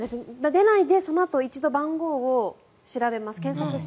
出ないで、そのあと１度番号を調べます。